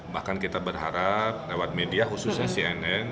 bahkan kita berharap lewat media khususnya cnn